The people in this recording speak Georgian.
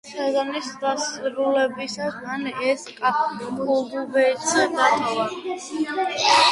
სეზონის დასრულებისას მან ეს კლუბიც დატოვა.